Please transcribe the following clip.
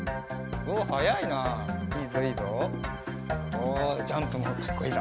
おおジャンプもかっこいいぞ。